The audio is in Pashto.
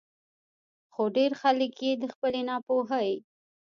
خو ډېر خلک ئې د خپلې نا پوهۍ